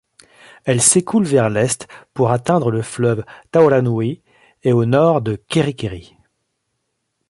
Elle s’écoule vers l’Est pour atteindre le fleuve Tahoranui à au Nord de Kerikeri.